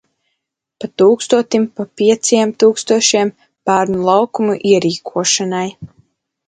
Pa tūkstotim, pa pieciem tūkstošiem bērnu laukumu ierīkošanai.